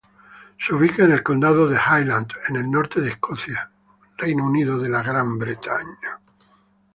Se ubica en el condado de Highland, en el norte de Escocia, Reino Unido.